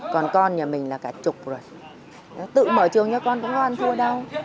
còn con nhà mình là cả chục rồi tự mở trường cho con cũng không ăn thua đâu